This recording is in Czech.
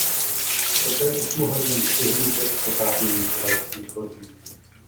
Poté už mohl jen přihlížet potápění švédských lodí.